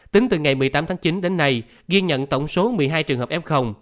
tính từ ngày một mươi tám tháng chín đến nay ghi nhận tổng số một mươi hai trường hợp f